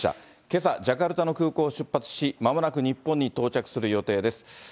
けさ、ジャカルタの空港を出発し、まもなく日本に到着する予定です。